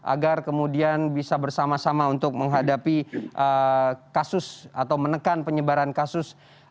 agar kemudian bisa bersama sama untuk menghadapi kasus atau menekan penyebaran kasus